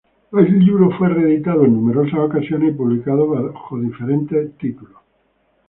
El libro fue reeditado en numerosas ocasiones, y publicado bajo diferentes títulos.